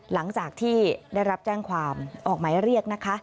หลังจากที่ได้รับแจ้งความออกหมายเรียกนะคะ